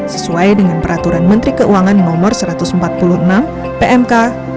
sesuai dengan peraturan menteri keuangan nomor satu ratus empat puluh enam pmk sepuluh dua ribu tujuh belas